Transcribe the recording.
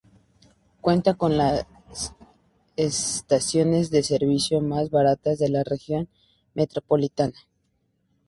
Cuenta con las estaciones de servicio más baratas de la Región Metropolitana.